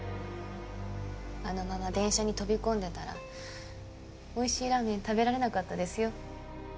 あのまま電車に飛び込んでたら美味しいラーメン食べられなかったですよ。